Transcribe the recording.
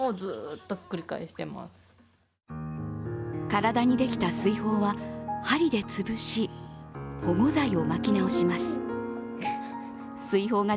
体にできた水ほうは針で潰し、保護剤を巻き直しすま。